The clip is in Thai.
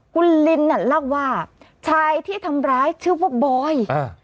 คุณลินน่ะเล่าว่าชายที่ทำร้ายชื่อว่าบอยอ่า